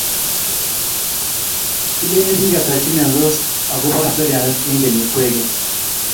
ileni biik ata che meisot akobo seriande eng kenyit kwekeny?